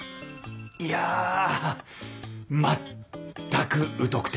いや全く疎くて。